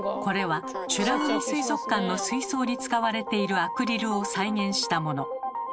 これは美ら海水族館の水槽に使われているアクリルを再現したもの。